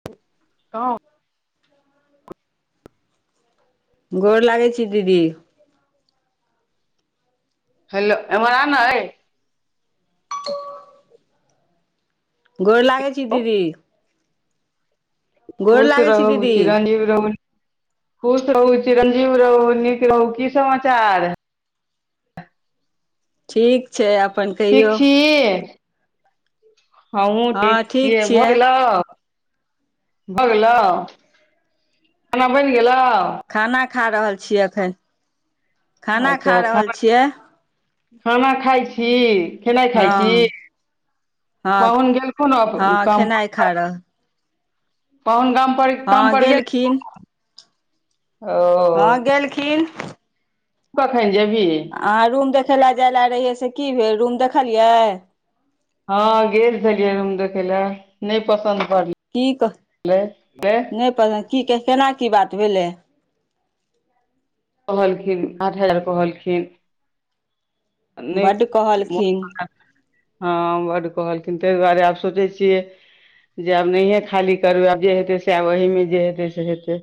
[inaudible] गोर लागै छी दीदी हेलो एमहर आन अय गोर लागै छी दीदी गोर खुश लागै छी रहू [unintelligible] दीदी चिरंजीवी रहू खुश रहू चिरंजीव रहु नीक रहु की समाचार ठीक छै अपन कहियौ हमहू ठीक छियै भऽ गेलो भऽ गेलौ खाना बैन गेलौ खाना खा रहल छी अखन अच्छा खान छियै [inaudible] खाना खाइ छी खेनाइ खाइ हँ छी पाहुन गेलखुन ओ काम खारह [inaudible] पहुन गाम पर ह काम पर गेल गेलखिन [unintelligible] हँ गेलखिन तु कखेन जेबही आहाँ रूम देखै ला जाय ला रहियै से की भेल रूम देखलियै हँ गेल छलिय रूम देखै ला नय पसंद पड़लें की कह न‌इ पसन्द की की केना की बात भेलै कहलखिन आठ हजार कहलखिन न‌इ बड्ड मन [inaudible] कहलखिन मालल हँ बड कहलखिन तै दुआरे आब सोचै छियै जे आब नहिये खाली करबै आब जे हेतै से आब ओहीमे जे हेतै से हेतै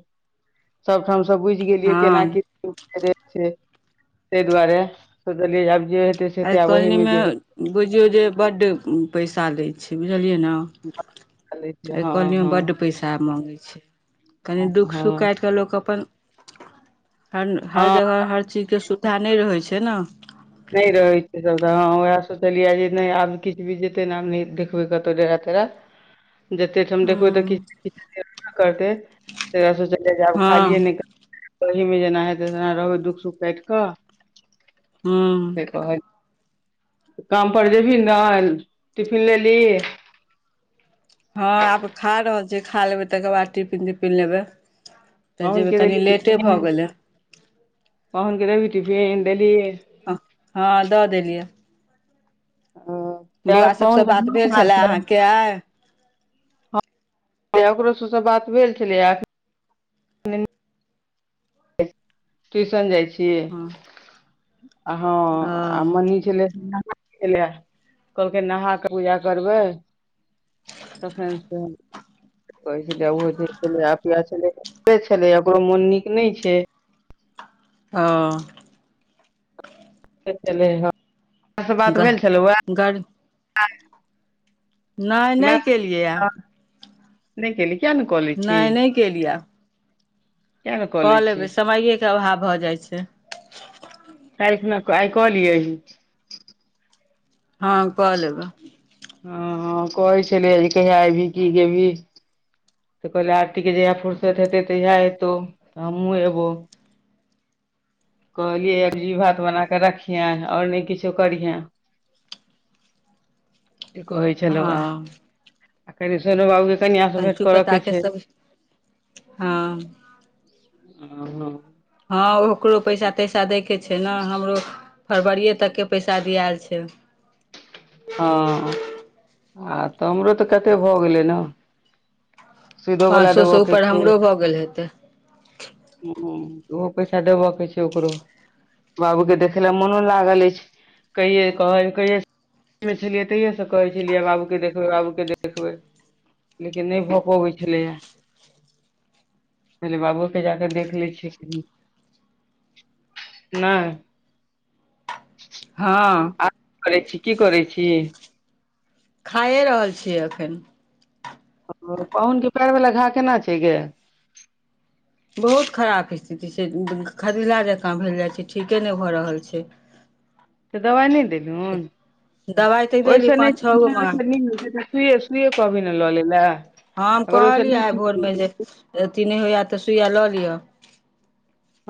सब ठाम स बुझ गेलियै केना हँ की [inaudible] तै दुआरे सोचलियै आब जे हेतै से एहि हेतै आब ओहिमे कॉलनीमे जे हेतै बुझियौ जे बड पैसा लैय छै बुझलिय न पता लेतै। ऐ हँ कॉलनी मे हँ बड पैसा आब माँगै छैय कनी दुख सुख हँ काटक लोक अपन हन हर हँ जगह हर चीज के सुविधा नय रहै छै न नय रहै छै सब त ह उएह सोचलियै जे नय आब किछ बित जेतै न आब नय देखबै कत‌उ डेरा तेरा [inaudible] जते ठाम देखबै त हँ किछ न किछ हेबे करतै तै दुआरे सोचलीय जे आब हँ खालिये नै करबै ओहीमे जेना हेतै तेना रहबै दुख सुख कैट कऽ हू [inaudible] काम पर जेबही नै टिफिन लेलही हँ आब खा रहल छियै खा लेबै तकर बाद टिफिन तिफिन लेबै तऽ पाहुन जेबै के कनी देली लेटे भ टिफिन गेलै पाहुन कऽ देबही टिफिन देलियै हँ दऽ देलियै ओ किया बौआ त सभसँ पाहुन बात भेल छलए के [unintelligible] [unintelligible] ओकरो सबस बात भेल छलैया एखन [unintelligible] [inaudible] ट्यूशन जाइ छी हँ [inaudible] आ हँ ओ आ मनी छलै [unintelligible] ऐ ला कहलकै नहा कऽ पूजा करबै [inaudible] तखन से कहै छलैया ओ जे छलैया अपीया छलैया सुतले छलैया ओकरो मोन नीक नै छैय हँ [unintelligible] गाड़ी नै नए किलियै या नै केलही नै नए केलियैया किया ने कऽ क लै ऽ छी लेबै समयए केँ अभाव भऽ जाइ छै कायल खुना आइ कऽ लिय अही हँ कऽ लेबै हऽ हऽ कहै छलिया जे कहीया ऐबही की गेबही तऽ कहलियै आरती कऽ जहिया फुर्सत हेतै तहिया एतौ हमहुँ एबौ कहलियै एकगजी भात बना कऽ रखिह और नै किछो करिहे [inaudible] [inaudible] से कहै छलौ आ हँ [inaudible] कहै सोनो बाबु कनीया स भेंट कंचू कर‌ कऽ पत्ताके छै ‌ सब हँ [inaudible] आ न हँ ओकरो पैसा तैसा दैय केँ छै छैन हमरो फरवरीये तक केँ पैसा दियाल छै हँ [inaudible] आ तऽ हमरो तऽ कते भऽ गेलै न शुद्ध पाँच वला सौ सँ देबय कऽ ऊपर छै [inaudible] हमरो भऽ गेल हेतै [inaudible] ओहो पैसा देब कऽ छै ओकरो बाबू केँ देखे लऽ मनो लागल ऐछ कहिये कहे कहिये में छलियै तहिये से कहै छलियै बाबू केँ देखबै बाबू केँ देखबै लेकिन नै भऽ पबै छलैया पहिले बाबुओ कऽ जा कऽ देख लै छियै [unintelligible] नै हँ आब करै छी की करै छी, खाए रहल छियै एखन, पाहुनकेँ पैर वला घाव केना छै गे बहुत खराब स्थिति छै खदला जकाँ भेल जाइ छै, ठीके नै भऽ रहल छैय तऽ दबाइ नै देलहुन दबाइ तऽ [inaudible] देली ओहिसँ नै [unintelligible] [unintelligible] पाँच छओ गो मंगा कहवैय ललैय ला हँ हम कहलियै आइ भोरमे जैय अथी नैय होइ। तऽ सुइया लऽ लिअ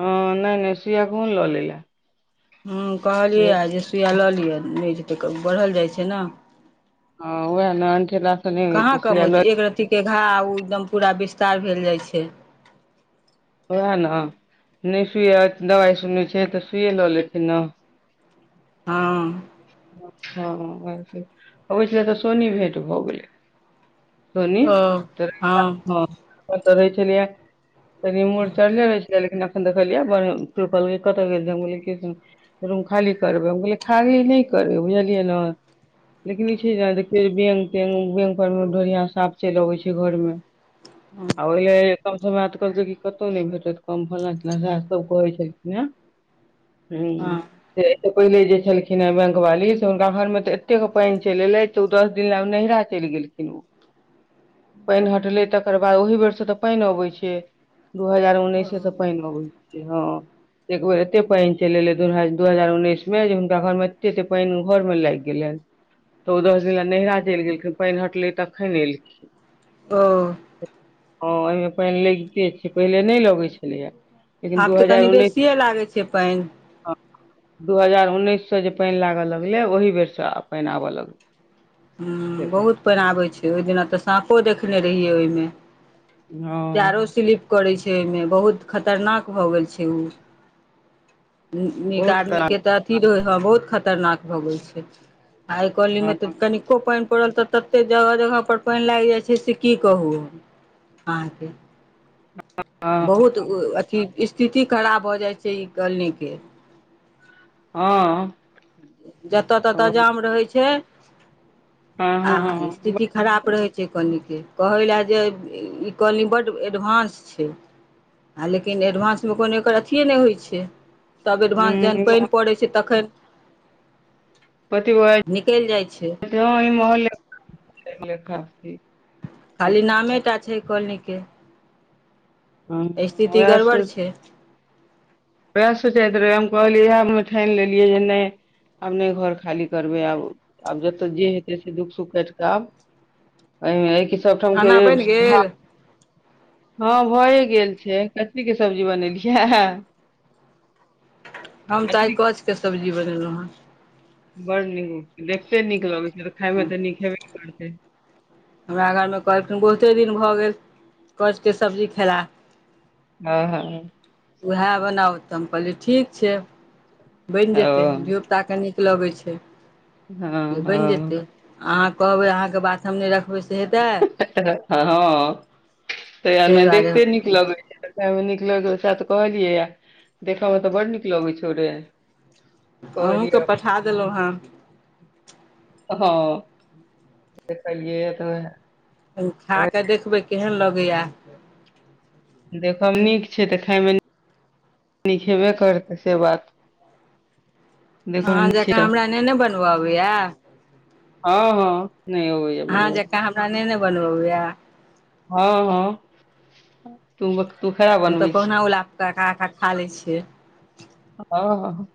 हँ नैय नैय सुइया कहुन ललैय ला ह्मँ कहलियैए है सुइया लऽ लिअ नैइ जतैय कहू न बढ़ल जाइ छैय ने ह ओएह ने अंठा ला स नैय होइ छैय के घा ओ एकदम पूरा विस्तार भेल जाइ छैय ओएह ने नहि सुइ दवाइ सुनै छै तऽ सुइए लऽ लेथिन न हँ। हँ व ओहि छल तऽ सोनी भेंट भऽ गेलेय सोनी ओ [unintelligible] रहेये हँ छैल ह अपनो तऽ रहैय छलैय तनि मूड़ चढ़ले रहै छल लेक एखन देखलियैल बर निक कियो कहल कत रूम खाली करबै हम कहलियै खाली नैयकरबै बुझलियै ने लेकिन ई छै जे देखिय बैंक तैं बैंक पर मे ढोरिया सांप चलि अबै छैय घर मे आईं कम स बात [unintelligible] कतहु नहि भेटत कम फलला चिलला झ सब कहै छलखिन हुम हँ से एहिस पहिले जे छलखिन हे बैंक वाली से हुनका घर मे तऽ एतेक पानि चैल एलैय। ओ दस दिन ल नैहरा चैल गेलखिन ओ पानि हटलै तकर बाद ओहि बेरसँ तऽ पानि अबैत छै, दू हजार उन्नैसेसँ पानि अबै छै हँ। एक बेेर एते पानि चल एले दू दू हजार उन्नैस मे जे हुनका घर मे एते एे पानि घर मे लाइगगेल न तऽ ओ दस दिना नैहरा चलि गेलखिन पानि हटलै तखन एलखिन ओऽ ह ओहिमे पानि लगिते छै य पहिले नैयलगैत छलैया आब तऽ कनि बेसियए लागै छै पानि ह। दू हजार उन्नैससँ जे पानि लागऽ लगलै ओहिी बेरसँ पानि आबय लगलै ह हँ बहुत पानि आबै छै ओहि दिना तऽ साँपो देखने रहियै ओहिमे। पैरो स्लिप करै छैय ओहिमे बहुत खतरनाक भऽ गेल छैय ओ। नीक बहुत खराब आदमीके तऽ अथी रहै हँ बहुत खतरनाक भऽ गेल छैय आइ हँ कॉलीमे कनिक खूब पानि पड़ल तऽ ततेक जगह जगह पानि लागि जाइ छैप से की कहू अहाँके हँ बहुत अथि स्थिति खराब भऽ जाइ छैय ई कॉलनीके। हँ जतय ततऽ जाम रहै छैय हँ आ हँ स्थिति खराब रहै छैय से कनीके कहै लाए जे ई कॉलनी बड्ड एडवान्स छैय आ लेकिन एडवान्समे कोनो एकर अथिए नहि होइ छै सभ एडवान्स जखन पानि पड़ै छै तखन पति निकलि जाइ छै [unintelligible] खाली नामेटा छैय इ कॉलनीके स्थिति उएह गड़बड़ छैय प्रियीशु जात रहैय हम कहलियै इएह ठानि लेलियै जैप नैय आब नैय घर खाली करबै आब आब जतऽ जे हेतै से दुःख सुख काटि कऽ आब। ऐमैएहिमे सबठाम के खाना बनि भाव गेल हँ भए गेल छैय कभी के सब्जी बनेलियै है हम तऽ आइ कथी कचके सब्जी बनेलहुँ हेँ। बड़ नीक देखते नीक लगैत छैयतऽ खायमे हेँ तऽ नीक हेवै करतै। हमरा घर मे कहलखिन बहुते दिन भऽ गेल कंच सब्जी खेला। हँ हँ उएह बनाउ तऽ हम कहलियै ठीक छै बनि जेतै ओ धियपुता कनि। पिलाबाय छै हँ हँ बैनजेतय अहा कहबय अहा के बात हम नै रखबय से। हेतै हँ ते ताहि हमे दुआरे देखते नीक लगै या देखै मे नीक लग तऽ सहे कहलियै देखय मे तऽ बड नीक लगैत छौ रे। अहुँ कहलियै क पठा देलु हँ। हँ देख कहलिय एतऽ बे कनि खा के देखबै केहन लगैया। देखब नीक छै तऽ खायमे। निक हेबे करत से बात। देखयमे अहाँ नीक छै जकाँ तऽ हमरा नहि ने बनबऽ अबैया। हँ हँ नै अबैये हँ जे काँ हमरा नै नै बनबऽ अबैया। हँ हँ तूम तू खरा हम तऽ कहुना उला पका क खा लै छियै। हँ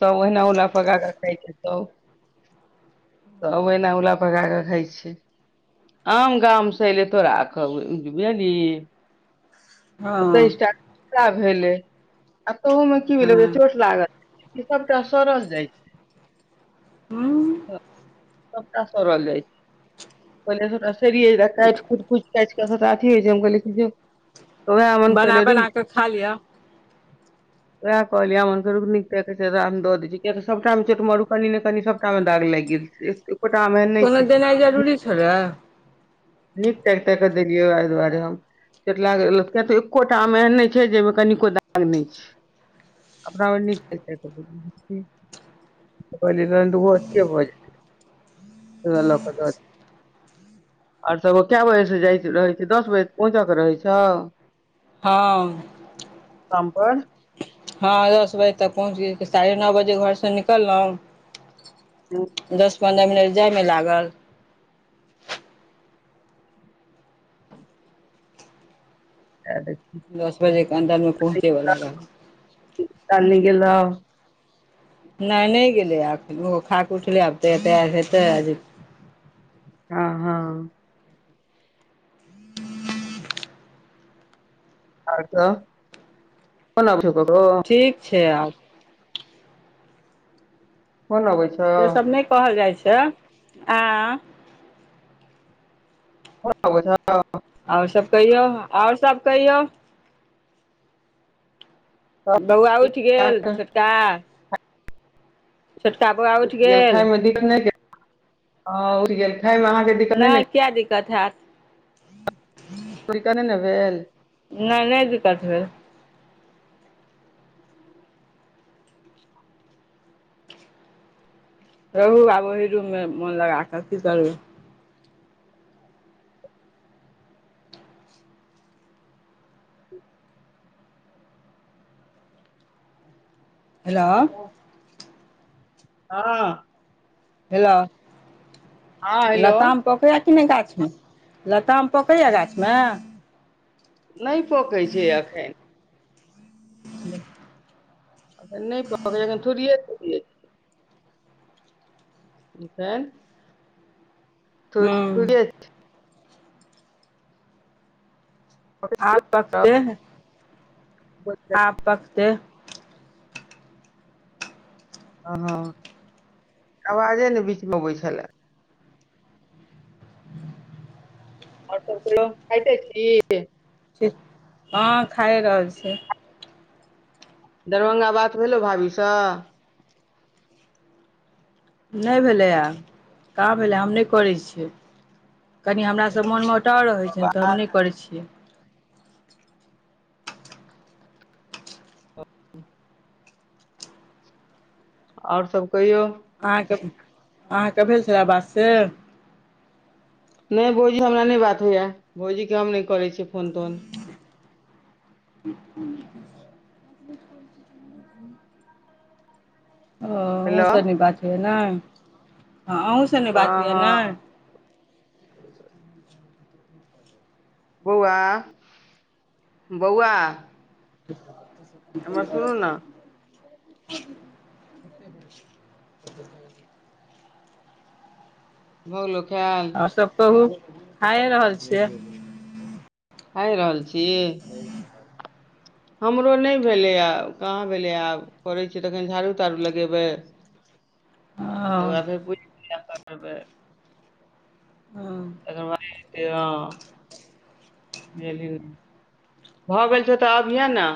सबौ ओहिना उला पका कऽ खाइ छै यै। तब एना उला पका कऽ खाइ छै। आम गांम से एले तोराखब बुझली ही हँ तेइस टा भेलै आ तहूमे की भेलै हँ चोट लागल। ई स‌बटा सरस जाइ छै। ह्म सबटा सड़ल जाइ छै पहिले स काटि कुट कु। कैच सभटा आती होइ छै हम कहलिय जो वएह अमन बना कहलियै रुकि बना कऽ खा लिअ। उएह कहलिय हमन नीक दऽ दै छी कियकि सभटा छोट मरू कनि ने कनि सभ कम दाग लैगेल छै। एकोटा आम एहन नहि कोनो छै देनाइ जरूरी छले नीक तैक तैक कऽ देलियै ओ दुआरे हम। चटलागलय तऽ एकोटा आम एहन नै छै जाहिमे कनिको दाग नै छै। अपना ब न कैस। [unintelligible] [inaudible] आर सब क बजे से जाय रहे छै दस बजे पहुंच क रहै छौ। हँ शाम पर हँ दस बजे तक पहुँच गेल साढ़े नौ बजे घरसँ निकललहुँ। हु दस पन्द्रह मिनट जाइमे लागल। अ दस बजे के अन्दर मे पहुँचेवला रहथिन। काल्हि नहि गेलौं नहि नहि गेलै यै ओहो खाकऽ उठलै आब तऽ तैयार हेतै जे हँ हँ और सब कोना छै [unintelligible] ठीक छै आब फोन अबै छै से सभ नहि कहल जाइ छै [unintelligible] और सभ कहियौ और सभ कहियौ सब बौआ ठीक उठ गेल ठाक। छोटका छोटका बौआ उठि गेल [unintelligible] नै ने किया दिक्कत हैत। दिक्कत नै न भेल? नै नै दिक्कत भेल। रहू आब ओहि रूम में मोन लगा कऽ की करबै। हेलो [inaudible] हँ हेलो हँ [inaudible] हेलो लताम पकैय कि नै गाछ में लताम पकैय गाछ में नै पकैय छै एखैन [unintelligible] एखन नै पकैय छै अखन ठुरिए ठुरिए छै। हूँ [unintelligible] आब पकतै। [unintelligible] आब पकतै। हऽ ह [inaudible] अवाजे नै बीच म अबै छलै और सब सुनाउ खाइते छि ठी [inaudible] हँ खाए रहल छी। दरभंगा बात भेलौ भाबी स नै भेलैए कहाँ भेलै हम नै करय छियै [inaudible] कनिया हमरासे मोन मो - - टाव रहय छियै तऽ हम नै करै छियै। और सब कहियौ। अहाँकेँ [inaudible] अहाँकेँ भेल छलै बात से नै भौजी हमरा नै बात होइयै भौजीे केँ हम नै करैत छियै फोन तोन। [unintelligible] ओ हेलो अहूँस नै बात होइए नै [inaudible] आ अहूँस नै हँ बात होए नै हँ बौआ [inaudible] बौआ [unintelligible] एम्हर सुनू न [unintelligible] भऽ गेलो खैल और सब कहू खाए रहल छियै [unintelligible] खाए रहल छी [unintelligible] हमरो नै भेलै या कहाँ भेलै आब करै छियै तखन झाड़ूं ताड़ू लगेबै आ ओ तकर बाद [unintelligible] हँ [unintelligible] [unintelligible] भऽ गेल छौ तऽ अभिय न